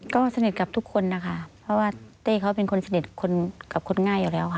ก็สนิทกับทุกคนนะคะเพราะว่าเต้เขาเป็นคนสนิทกับคนง่ายอยู่แล้วค่ะ